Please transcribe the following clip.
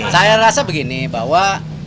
saya rasa begini bahwa